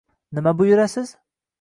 - Nima buyurasiz?